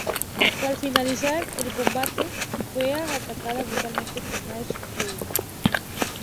Al finalizar el combate fue atacada brutalmente por Nia Jax y Tamina Snuka.